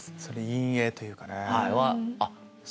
陰影というかね。